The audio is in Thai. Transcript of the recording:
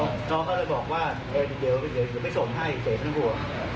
พ่อเขาเลยบอกว่าเดี๋ยวอย่าไปส่งให้เจนไม่ต้องกลัว